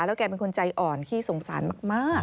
แล้วแกเป็นคนใจอ่อนขี้สงสารมาก